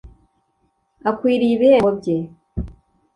akwiriye ibihembo bye